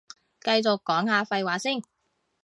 繼續講下廢話先